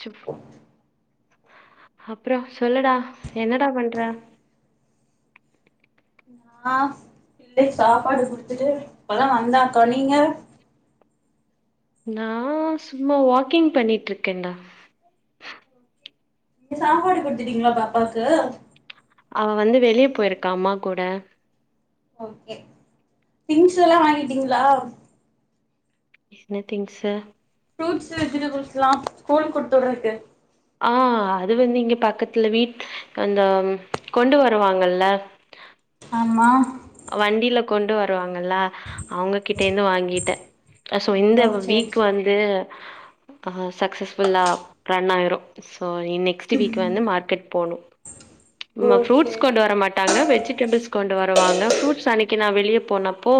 Sub அப்புறம் சொல்லுடா என்னடா பண்ற நான் பிள்ளைக்கு சாப்பாடு குடுத்துட்டு இப்பதான் வந்தாக்கா நீங்க நான் சும்மா வாக்கிங் பண்ணிட்டு இருக்கேன்டா நீங்க சாப்பாடு குடுத்தட்டீங்களா பாப்பாவுக்கு அவ வந்து வெளியே போயிருக்கா அம்மா கூட ஓகே திங்க்ஸ் எல்லாம் வாங்கிட்டீங்களா என்ன திங்ஸ் ஃப்ரூட்ஸ் வெஜிடபிள்ஸ்லாம் ஸ்கூல் குடுத்துட்ருக்கு ஆஹ் அது வந்து இங்க பக்கத்துல வீட் அந்த கொண்டு வருவாங்கல்ல ஆமா வண்டியில கொண்டு வருவாங்கல்ல அவங்ககிட்டே இருந்து வாங்கிட்டேன் ஸோ ஓ இந்த சேரி வீக் சேரி வந்து ஆஹ சக்சஸ் ஃபுல்லா ரன் ஆயிரும் ஸோ நீ நெக்ஸ்டு வீக் வந்து மார்க்கெட் போணும் ஓ ப்ரூட்ஸ் சேரி கொண்டு சேரி வரமாட்டாங்க வெஜிடபிள்ஸ் கொண்டு வர வாங்க ஃப்ரூட்ஸ் அன்னைக்கு நான் வெளியே போனப்போ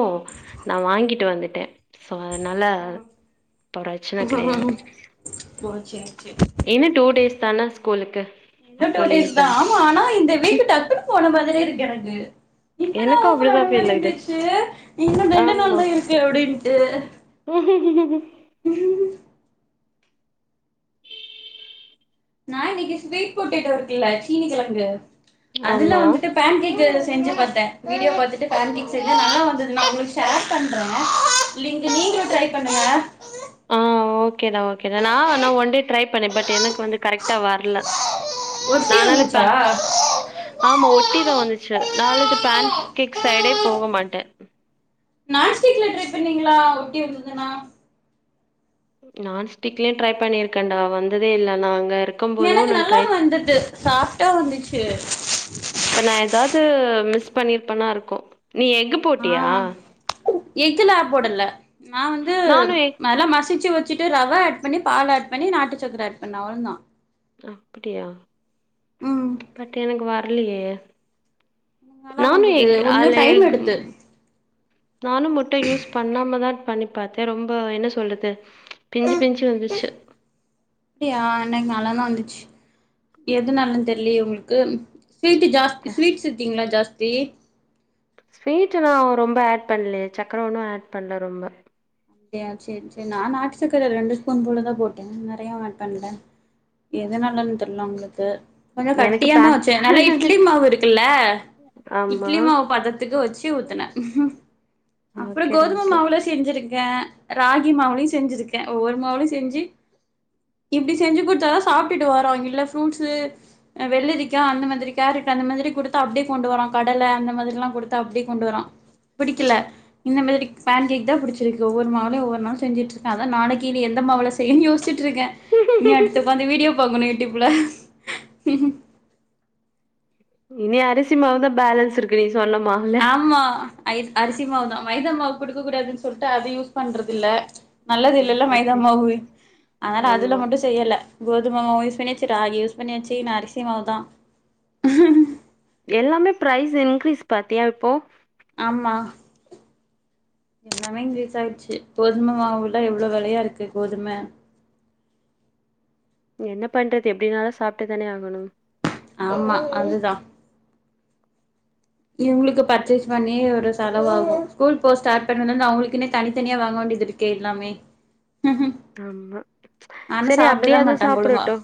நான் வாங்கிட்டு வந்துட்டேன் சோ அதனால அப்ப பிரச்சனை கெடையாது ஓ சேரி சேரி இன்னும் டூ டேஸ் தானா ஸ்கூலுக்கு இன்னு டூ அப்புறம் லீவ் டேஸ் தா த ஆமா ஆனா இந்த ம் வீக் டக்குன்னு போன மாதிரே இருக்கு எனக்கு இப்பதான் எனக்கு அப்டிதா ஊப்பலனங்க ஃபீல் ஆகுது இருந்துச்சு நீங்க ரெண்டு நாள் தான் இருக்கு அப்படின்னு உ உஹ்ஹுஹ்ஹீ உம் நான் இன்னைக்கு ஸ்வீட் போட்டெடோ இருக்குல்ல சீனீ கெழங்கு அதுல ஆமா வந்துட்டு பேன் கேக் நெட்ல பார்த்தேன் வீடியோ பாத்துட்டு பேன்கேக் செஞ்சு நல்லா வந்தது நான் உங்களுக்கு ஷேர் பண்றேன் நீங் நீங்களும் ட்ரை பண்ணுங்க ஆஹ் ஓகேடா ஓகேடா நான் ஒன் டே ட்ரை பண்ணேன் பட் எனக்கு வந்து கரெக்ட்டா வரல ஒட்டி நானால பே வந்துச்சா ஆமா ஒட்டி தான் வந்துச்சு நான் அது பேன் கேக் சைடே போக மாட்டேன் நான்ஸ்டிக்ல ட்ரை பண்ணீங்களா ஒட்டி வந்ததுண்ணா நான் ஸ்டிக்லயும் ட்ரை பண்ணிருக்கேன்டா வந்ததே இல்ல நாங்க எனக்கு நல்லாம் வந்தது சாஃப்டா வந்துச்சு இப்ப நா ஏதாவது மிஸ் பண்ணிருப்பனா இருக்கும் நீ எஃகு போட்டியா எஃகுலாப் போடல நா வந்து நானு எக் நல்லா மசிச்சு வச் சிட்டு ரவ ஆட் பண்ணி பால் ஆட் பண்ணி நாட்டு சக்கர ஆட் பண்ணே அவ்ளதா அப்பிடியா ம் பட் எனக்கு வர் ர்லையே நல்லா நானு வந்தது எக் கொஞ்சோ அதுல டைம் எக் உம் எடுத்து உம் நானு முட்ட யூஸ் பண்ணாமதா பண்ணி பாத்தே ரொம்ப என்ன சொல்றது பிஞ்சி பிஞ்சு வந்துச்சு எ ஆஹ் எனக்கு நல்லாதா வந்துச்சு எதுனாலன் தெர்லயே ஒங்களுக்கு ஸ்வீட்டு ஜாஸ் இ ஸ்வீட்ஸ் இருக்கீங்ளா ஜாஸ் தி ஸ்வீட்டு நா ரொம்ப ஆட் பண்லயே சக்கர ஒன்னு ஆட் பண்ல ரொம்ப அப்டியா சேரி சேரி நா நாட்டுசக்கர ரெண்டு ஸ்பூன் போலதா போட்டே நெறையா ஆட் பண்ல எதனாலன்னு தெர்ல ஒங்களுக்கு கு கொஞ்ச எனக்கு கட்டியா பே நா வச்சே நல்லா இட்லி மாவு இருக்குல்ல ஆமா இட்லி மாவு பதத்துக்கு வச்சு ஊத்துனே அப்பற ஓகேடா கோதும மாவுலே செஞ்சிருக் க்கே ராகி மாவுலயு செஞ்சிருக்கே ஒவ்வொரு மாவுலயு செஞ்சு இப்டி செஞ்சு குடுத்தாதா சாப்ட்டுட்டு வரா இல்ல ஃப்ரூட்ஸு அஹ் வெள்ளரிக்கா அந்த மாதிரி கேரட் அந்த மாதிரி குடுத்தா அப்டே கொண்டு வரா கடல அந்த மாதிரிலா குடுத்தா அப்டே கொண்டு வரா பிடிக்கல இந்த மாதிரி பேன் கேக் தா புடிச்சு ருக்கு ஒவ்வொரு மாவ்லயு ஒவ்வொரு நாள் செஞ்சட்டு இருக்க அதா நாளைக்கு இனி எந்த மாவுல செய்யனு யோசிச்ட்டு இருக்கே இனி அடுத்து ஓகே ஒக்காந்து வீடியோ பாக்கணு யூட்டிப்ல ம் இனி அரிசிமாவு தா பேலன்ஸ் இருக்கு நீ சொன்ன மாவுல ஆமா அய்டு அரிசி மாவு தா மைதா மாவு குடுக்கக் கூடாதுன் சொல்ட்டு அது யூஸ் பண்றதில்ல நல்லது இல்லல்ல ஓகே ஓகே மைதாமாவு அதனால அதுல ஆமா மட்டு செய்யல கோதும மாவு யூஸ் பண்ணியாச்சு ராகி யூஸ் பண்ணியாச்சு இன்ன அரிசி மாவு தா எல்லாமே ப்ரைஸ் இன்கிரீஸ் பாத்தியா இப்போ ஆமா எல்லாமே இங்ரீஸ் ஆயிருச்சு கோதும மாவுலா எவ்ளோ வெலையா இருக்கு கோதும என்ன பண்றது எப்டினாலு சாப்ட்டுதானே ஆகணு ஆமா அதுதா இவ்ங்ளுக்கு பர்ச்சேஸ் பண்ணி ஒரு செலவாகு ஸ்கூல் போ ஸ்டார்ட் பண்ணதுலருந்து அவ்ங்களுக்குனே தனித்தனியா வாங்க வேண்டியது இருக்கே எல்லாமே ஆமா ஆனா சரி சாப்டதா அப்டியாது மாட்டாங்கொழுங்கா சாப்டட்டு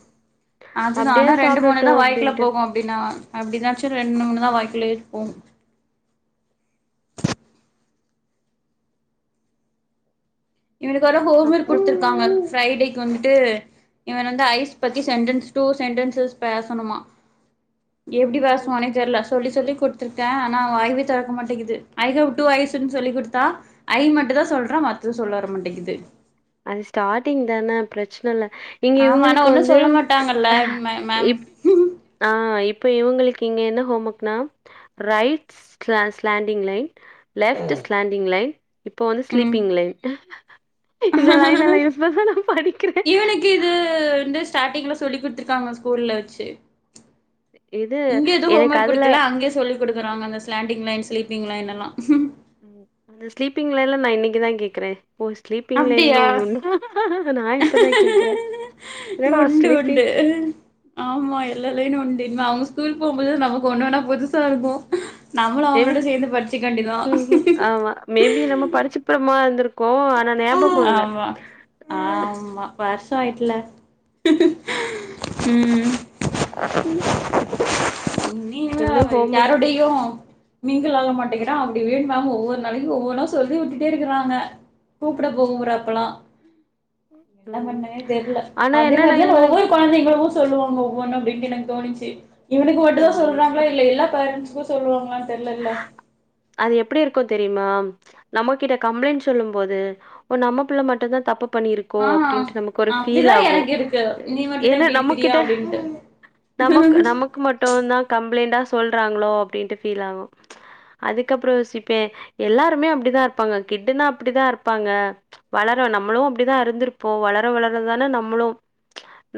ஆச்சுது ஆனா அப்டியாது ரெண்டு சாப்டட்டு மூணுதா வாய்க்குல அப்டின்ட்டு போகு அப்டினா அப்டினாச்சு ரெண்டு மூணுதா வாய்க்குலே உம் இவனுக்கு வேற ஹோம் ஒர்க் அப்றோ குட்த்துருக்காங்க ஃப்ரைடேக் கு வந்ட்டு இவ வந்து ஐஸ் பத்தி சென்டன்ஸ் டூ சென்டன்சஸ் பேசனுமா எப்டி ம், பேசுவானே தெர்ல சொல்லி சொல்லி குட்த்ருக்கே ஆனா வாயவே தொறக்க மாட்டேங்குது ஐ ஹவ் டூ ஐஸு னு சொல்லிக்குடுத்தா ஐ மட்டு தா சொல்றா மத்த சொல்ல வர மாட்டேக்கிது அது ஸ்டார்டிங் தான பிரச் சனல்ல இங்க ஆமா ஆனா இவுங்களுக்கு ஒன்னு வந்து சொல்ல மாட்டாங்கல்ல அஹ் மே மேம் இப் ஆஹ் இப் இப்ப இவுங்களுக்கு இங்க என்ன ஹோம் ஒர்க்னா ரைட் ஸ்லா slanting line left slanting line இப்போ வந்து ம் ஸ்லீப்பிங் லயின் இந்த லயினெல்லா யூஸ் பண்ண நா படிக்கிறே இவனுக்கு இது வந்து ஸ்டார்டிங்ல சொல்லி குடுத்துருக்காங்க ஸ்கூல்ல வெச்சு இது இங்க எதுவு ஹோம் எனக்கு ஒர்க் அதுல குடுக்கல அங்யே சொல்லிக் குடுக்குறாங்க அந்த ஸ்லாண்டிங் லைன் ஸ்லீப்பிங் லைன் எல்லா லயின்லா நா இன்னிக்குதா கேக்குறே ஓ ஸ்லீப்பிங் லயின்னு அப்டியா ஒன் ஒன்னுதா என்னடா உண்டு உண்டு ஸ்லீப்பிங் ஆமா எல்லா லயின்னு உண்டு தின்ம அவுங்க ஸ்கூல் போம்போது நமக்கு ஒன்னொன்னா புதுசா இருக்கோ மேபி உ உம் ஆமா மேபி நம்ம படிச்சுப்பிறம்மா இருந்து கோ ஆனா ஞாபகோ இல்ல தோ ஆயிட்ல உம் இன்னும் ஹோம் யாரோடயு மிங்கில் ஆக மாட்டேங்கிறா அப்டி [unintelligible] மேம்மு ஒவ்வொரு நாளைக்கு ஒவ்வொன்னா சொல்லி உட்டுட்டே இருக்கிறாங்க கூப்ட போகுறப்பலா என்ன பண்ணணே தெர்ல ஆனா அதே என்னன்னா மாரிதானே ஒவ்வொரு இவங்களுக்கு கொழந்தைங்களும் தொ சொல்லுவாங்க ஒவ்வொன்னு அப்டின்டு எனக்கு தோணிச்சு இவனுக்கு மட்டுதா ஆமா. சொல்றாங்ளா இல்ல எல்லா ப்ரெண்ட்ஸ் சு சொல்லுவாங்களானு தெர்லலே அது எப்பிடி இருக்கோ தெரிமாம் நம்மகிட்ட கம்பளைன் சொல்லும் போது ஓ நம்ம புள்ள மட்டுந்தா தப்பு பண்ணி இருக்கோ ஆ அப்டின்ட்டு நமக்கு ஒரு அப்டிதா ஃபீலாகோ எனக்கு இருக்கு நீ மட்டுந்தா ஏனா இப்டி இருக்கிறியா நமகிட்ட அப்டின்ட்டு நமக் நமக்கு மட்டோந்தா கம்ப்ளைண்டா சொல்றாங்களோ அப்டின்ட்டு ஃபீலாகோ அதுக்கப்பறோ யோசிப்பே எல்லாருமே அப்டிதா இர்ப்பாங்க கிட்டுனா அப்டிதா இருப்பாங்க ச்ச வளர நம்மளு அப்டிதா இருந்திருப்போ வளர வளர வ்ளோ தானே நம்மளு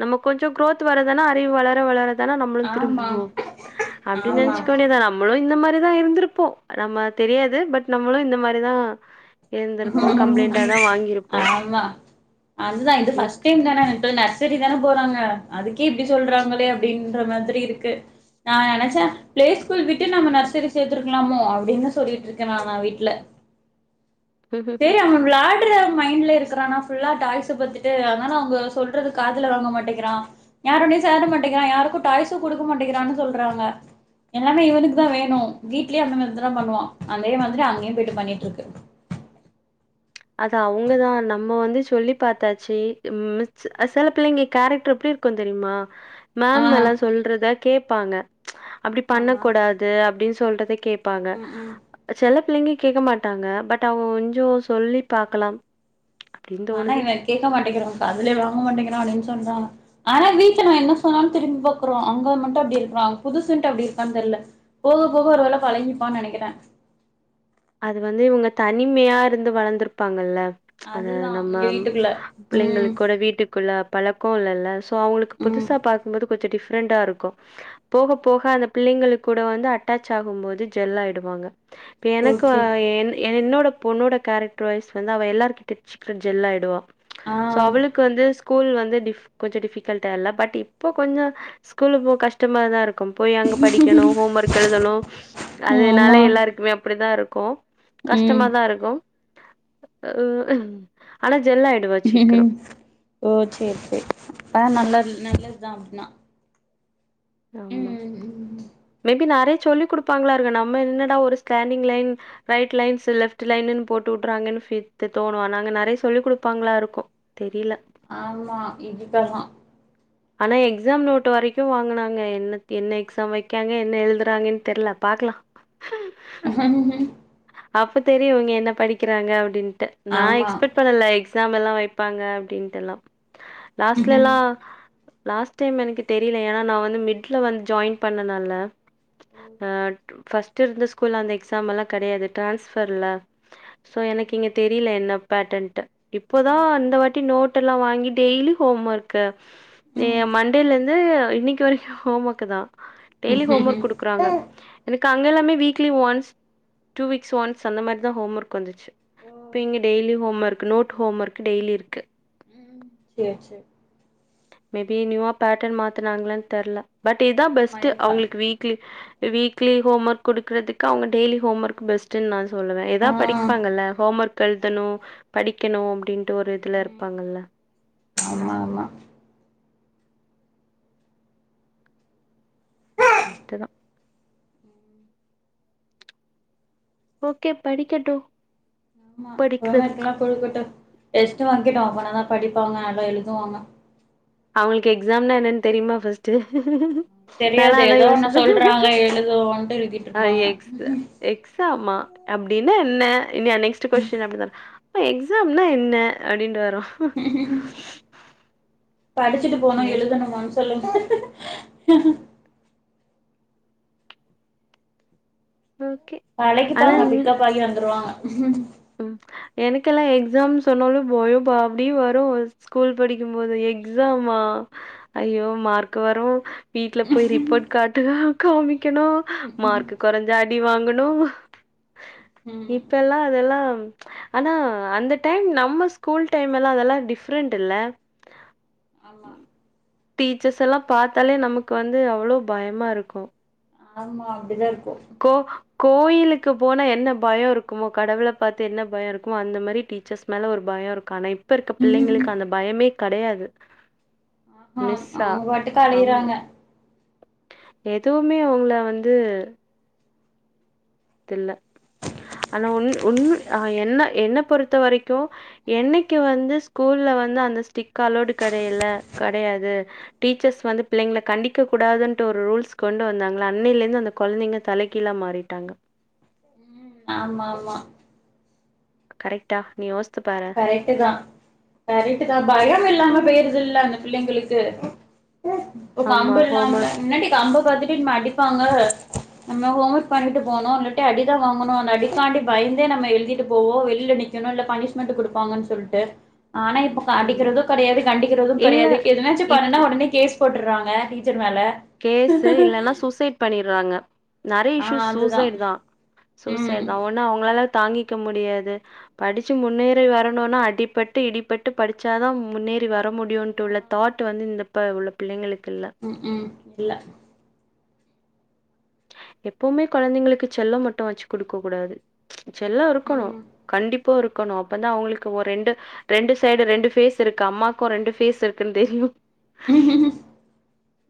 நம்ம கொஞ்சோ குரோத் வரதனா அறிவு வளர வளர தேன நம்மளு ஆமா திருந்துவோ அப்டின்னு ஆமா நெனச்சிக்க வேண்டிதா நம்மளு இந்த மாரி இதுதா இருந்திரு போ நம்ம தெரியாது பட் நம்மளு இந்த மாரிதா இருந்திருப்போ கம்ப்ளைண்டாதா வாங்கியிருப்போ ஆமா அதுதா இது ஃபர்ஸ்ட் கிட்ஸ் டைம் தான [unintelligible] தெரிதான போறாங்க அதுக்கே இப்டி சொல்றாங்களே அப்டின்ற மாதிரி இருக்கு நா நெனச்சே பிளே ஸ்கூல் விட்டுட் நம்ம நர்செரி சேத்திருக்கலாமோ அப்டின்னு சொல்லிட்டுருக்கே நான் நா வீட்டுல தா செரி [unintelligible] விளா திருட மைண்லே இருக்கிறான ஃபுல்லா டாய்ச பாத்துட்டு அதனால அவுங்க சொல்றது காதுல வாங்க மாட்டேங்கிறா யாரடயு சேர மாட்டேங்கிறா யாருக்கு டாய்சு குடுக்க மாட்டேங்கறான்னு சொல்றாங்க எல்லாமே இவனுக்குதா வேணோ வீட்லயே அந்த மார்தறா பண்ணுவ அதே மாரி அங்கேயும் போயிட்டு பண்ணிட்டு இருக்கு அத அவுங்கதா நம்ம வந்து சொல்லி பாத்தாச்சு மிஸ் அ சில பிள்ளைங்க கேரக்டர் எப்டி இருக்கோ தெரியுமா ஆ மேம் எல்லா சொல்றத கேப்பாங்க அப்டி பண்ண ஆமா கூடாது அப்டின் சொல்றத கேப் ப்பாங்க ம் ம் செல பிள்ளைங்க கேக்க மாட்டாங்க பட் அவங் கொஞ்ச சொல்லி பாக்கலாம் ஆனா இவ கேட்க மாட்டேங்கிறா அதுலயே வாங்க மாட்டேங்கிறா அப்டின்னு சொல்றா ஆனா வீட்டுல நா என்ன சொன்னாலு திரும்பி பாக்கறா அங்க மட்டு அப்படி இருக்கிறா புதுசுன்ட்டு அப்படி இருக்கான்னு தெரியல போக போக ஒரு வேளை பழகிப்பான்னு நெனைக்கிறே அது வந்து இவுங்க தனிமையா இருந்து வளந்திருப்பாங்கல்ல அத அதுதா நம்ம இங்க வீட்டுக்குள்ள ம் பிள்ளைங்களுக் கூட வீட்டுக்குள்ள பழக்க இல்லல்ல அவங்களுக்கு ம் புதுசா பாக்கும்போது கொஞ்ச டிஃப்ரெண்டா இருக்கு போக போக ஆமா அந்த பிள்ளைங்களுக்கு கூட வந்து அட்டாச் ஆகும் போது ஜெல் ஆயிடுவாங்க இப்ப எனக் கு ஓகே எ என்னோட பொண்ணோட கேரக்டர் வைஸ் வந்து அவ எல்லார்கிட்ட சீக்கர ஜெல் ஆயிடுவா ஆ சோ அவளுக்கு வந்து ஸ்கூல் வந்து டி கொஞ்ச டிஃபிகல்ட்டா இல்ல பட் இப்ப கொஞ்ச ஸ்கூல போக கஷ்டமா தா இருக்கு கு போய் அங்க படிக்கணு ஹோம் ஒர்க் எழுதணு அதனால ஆமா எல்லாருக்குமே அப்படித்தா இருக் கோ ம் கஷ்டமாதா இருக்கு அஹ் ஆனா ஜெல் ஆயிடுவா உம் சீக்கிரம். ஓ சரி சரி ஆஹ் நல்லா நல்லது தா அப்படின்னா ஆமா மேபி நா அரே சொல்லி கொடுப்பாங்களா இருக்கு நம்ம என்னடா ஒரு standing line right lines left லைன்னு போட்டு வுட்றாங்கன்னு ஃபீ தோணு அங்க நறைய சொல்லி கொடுப்பாங்களா இருக்கு தெரில ஆமா இதுக்கெல்லா ஆனா எக்ஸாம் நோட்டு வரைக்கு வாங்குனாங்க என்ன என்ன எக்ஸாம் வைக்காங்க என்ன எழுதுறாங்கன்னு தெரில பாக்கலா ஆஹ அப்ப தெரியு இங்க என்ன படிக்கிறாங்க அப்படின் ட்டு நா ஆமா எக்ஸ்பெக்ட் பண்ணல எக் க்ஸாம் எல்லா வெப்பாங்க அப்படின்ட்டு எல்லா லாஸ்ட்ல ம் எல்லா லாஸ்ட் டைம் எனக்கு தெரியல ஏன்னா நான் வந்து மிட்ல வந்து ஜாயின் பண்ணனல அஹ் ஃபஸ்ட் ட்டு இருந்த ஸ்கூல்ல அந்த எக்ஸாம்ல்லா கெடையாது டான்ஸ்பர்ல சோ எனக்கு இங்க தெரியல என்ன பேட்டன்ட் இப்போதா இந்த வாட்டி நோட் ட்டெல்லா வாங்கி டெய்லி ஹோம் ஒர்க்கு நீ ம் மண்டேிலருந்து இன்னைக்கு வரைக்கு ஹோம் ஒர்க்கு தா டெய்லி ஹோம் ஒர்க் ம் குடுக்குறாங்க எனக் கா அங்க எல்லாமே weekly once two weeks once அந்த மாரி தா ஹோம் ஒர்க்ந்துச்சு ஓ இப்போ இங்கே டெய்லி ஹோம் ஒர்க் நோட ஹோம் ஒர்க் டெய்லி இருக்கு சரி சரி மேபி நியூவா பேட்டர்ன் மாத்தனாங்களன்னு தெர்ல பட் இதா ஆமா பெஸ்ட்டு இருக்கலா அவங்களுக்கு வீக்லி வீக்லி ஹோம் ஒர்க் கொடுறதுக்கு அவங்க டய்லி ஹோம் ஒர்க் பஸ்டண் நான் சொல்லுவே ஆ ஏதாவது படிப்பாங்கல்ல ஹோம் ஒர்க் எழுதணு ஆமா படிக்கணு அப்டின்ட்டு ஒரு இதுல ம் இருப்பாங்கல்ல ஆமா ஆமா கஷ்டதா ம் ஓகே படிக்கட்டு ஆமா ஹோம் படிக்கிறதுக்கு ஒர்க்ல்லா கொடுக்கட்டு எஸ்ட வா [unintelligible] போனாதா படிப்பாங்க நல்லா எழுதுவாங்க அவங்களுக்கு எக்ஸாம்னா என்னன்னு தெரியுமா பஸ்ட்டு தெரியாது ஏதோன்ன சொல்றாங்க எழுதுவோனு எழுதிட்ருப்பாங்க ஆமா அப்படின்னா என்ன இனா நெக்ஸ்ட் கொஸ்டின் அப்டின்ன இப்ப எக்ஸாம்னா என்ன அப்படின்னுடு வரு படிச்சுட்டு போகணு சேரி எழுதணுமான் சொல்லுங்க ஓகே ஆனா கழைக்குப்பாங்க ம் பிக்கப் ஆகி வந்துருவாங்க ஹ ம் எனக்கெல்லா எக்ஸா சொன்னாலு போய பா அபடியே வரு ஸ்கூல் படிக்கும் போது எக்ஸாமா ஐயோ மார்க் வரு வீட்ல போய் ரிப்போர்ட் கார்ட காமிக்கணு மார்க்கு கொறைஞ்சா அடி வாங்கனு ம் இப்பெல்லா அதெல்லா ஆனா அந்த டைம் நம்ம ஸ்கூல் டைம் எல்லா அதெல்லா டிஃரென்ட் இல்ல ஆமா டீச்சர்ஸ் எல்லா பாத்தாலே நமக்கு வந்து அவ்வளவ் பயமா இருக்கு ஆமா அப்டிதா கோ கோயிலுக்கு போனா என்ன பயோ இருக்குமோ கடவுள பாத்து என்ன பயோ இருக்குமோ அந்த மாரி டீச்சர்ஸ் மேலே ஒரு பயம் இருக்கு ஆனா இப்ப இப்ப இருக்க பிள்ளிங்களுக்கு அந்த பயமே கெடையாது ஆமா மிஸ்ஸா அவங்க பாட்டுக்கு அம் அளையுறாங்க எதுவுமே உள்ள வந்து ல்ல ஆனா உன் உண் என்ன என்ன பொறுத்த வரைக்கு என்னிக்கு வந்து ஸ்கூல்ல வந்து அந்த ஸ்ட்ங் அளோவ்டு கெடையல கெடையாது டீச்சர்ஸ் வந்து பிள்ளிங்கள கண்டிக்க கூடாதுன்ட்டு ஒரு ரூல்ஸ் கொண்டு வந்தாங்களோ அன்னில இருந்து அந்த கெழந்திங்க தலகீழா மாறிட்டாங்க ஆமா ஆமா கரெக்டா நீ பாரேன். கரெக்ட் தா கரெக்ட் தா பயம் இல்லாம போயிரு அல்ல அந்த பிள்ளிங்களுக்கு ஆமா கம்பு ஹோம் இல்லாம ஒர்க் [unintelligible] ஹோம் ஒர்க் பண்ணிட்டு போணு இல்லட்டி அடிதா வாங்கனு அந்த அடிக்கான்டி பயந்தே நம்ம எழுதீட்டு போவோ வெளில நிக்கணு பனிஷ்மென்ட் குடுப்பாங்கன்டு சொல்லிட்டு ஆனா இப்ப கண்டிக்கிறது கெடையாது கண்டிக்கிறது இல்ல கெடையாது எதுனாச்சும் பன்னுனா ஒடனே கேஸ் போட்டுறாங்க டீச்சர் மேல கேசு இல்லன்னா சூசைட் பண்ணிறாங்க நெறைய ஆ இசூஸ் அதுதா சூசைடு தா ம் சூசைடு தா ஒன்னா அவங்களால தாங்கிக்க முடியாது படிச்சு முன்னேறி வரணும்னா அடிபட்டு இடிபட்டு படிச்சாதா முன்னேறி வர முடியு ட்டு உள்ள தாட் வந்து இந்த உள்ள பிள்ளிங்களுக்கு உம் உம் இல்ல எப்புமே கெழந்திங்களுக்கு செல்லம் மட்டு வெச்சு குடுக்க கூடாது செல்லா இருக்கணு ம் கண்டிப்பா இப்போ இருக்கணு அப்ப தா அவங்களுக்கு ஒரு ரெண்டு ரெண்டு சைடு ரெண்டு பேஸ் இருக்கு அம்மாக்கு ரெண்டு பேஸ் இருக்குன்னு தெரியு உஹம் உஹ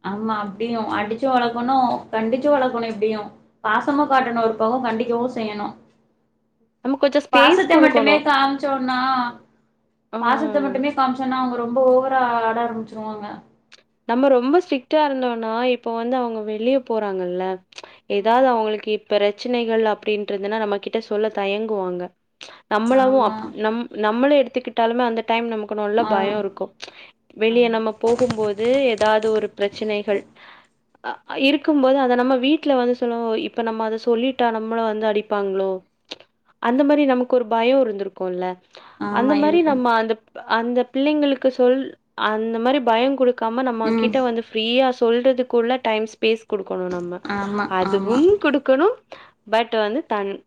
ஆமா அப்டியு அடிச்சு வளக்கணு கண்டிச்சு வளக்கணு இப்டியு பாசமு காட்டணு ஒரு பக்கோ கண்டிக்கவு செய்யணு நம்ம கொஞ்சம் ஸ்பேஸ் பாசத்த மட்டுமே குடுக்கணும். காம்ச்சோனா பாசத்த ஆ. மட்டுமே காம்ச்சோனா அவுங்க ரொம் ரொம்ப ஓவரா ஆட ஆரமிச்சிருவாங்க நம்ம ரொம்ப ஸ்ட்ரிக்ட்டா இருந்தோனா இப்போ வந்து அவங்க வெளிய போறாங்கல்ல எதாது ம் அவங்களுக்கு இப் பிரச்சனைகள் அப்டின்றதுனா நம்ம கிட்ட சொல்ல தயங்குவாங்க நம்மளவு ஆமா அப்புடி நம் நம்மள எடுத்து ககட்டாலுமே அந்த டைம் நமக்கு நல்லா ஆ பயோ இருக்கு வெளிய ஆமா நம்ம போகும்போ து எதாது ஒரு பிரச்சனைகள் அ அ இருக்கும் போது அத நம்ம வீட்ல வந்து சொல்லுவோ இப்ப நம்ம அத சொல்லிட்டா நம்மள வந்து அடிப்பாங்ளோ அந்த மாரி நமக்கு ஒரு பயோ இருந்திருக்கூல்ல அந்த ஆமா மாரி இருக்கும் நம்ம அந்தப் ப அந்த பிள்ளைங்களுக்கு சொல் அந்த மாரி பயங் குடுக் காம நம்ம ம் கிட்ட வந்து ஃப்ரீயாஸ் சொல்றதுக்குள்ள டைம்ஸ் பேஸ் குடுக்கணு நம்ம ஆமா ஆமா அதுவும் குடுக்கணு பட் வந்து தன் க